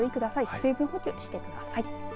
水分補給してください。